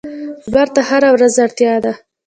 لمر ته هره ورځ اړتیا ده.